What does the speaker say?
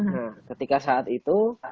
nah ketika saat itu